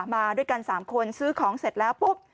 มาด้วยกัน๓คนซื้อของเสร็จแล้วปุ๊บ